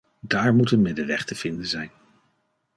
Daar moet een middenweg te vinden zijn.